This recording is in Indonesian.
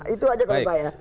itu aja kalau saya